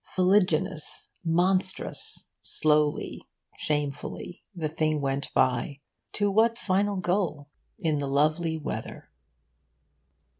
Fuliginous, monstrous, slowly, shamefully, the thing went by to what final goal? in the lovely weather.